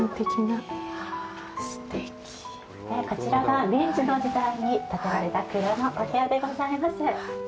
こちらが明治の時代に建てられた蔵のお部屋でございます。